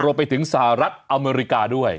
รวมไปถึงสหรัฐอเมริกาด้วย